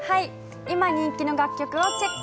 今人気の楽曲をチェック。